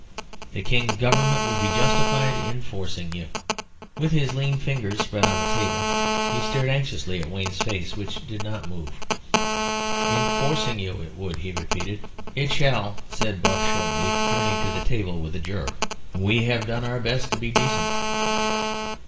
The King's Government would be justified in forcing you." With his lean fingers spread on the table, he stared anxiously at Wayne's face, which did not move. "In forcing you ... it would," he repeated. "It shall," said Buck, shortly, turning to the table with a jerk. "We have done our best to be decent."